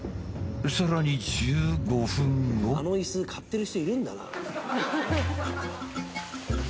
さらにあの椅子買ってる人いるんだな。